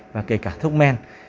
và kể cả thuốc men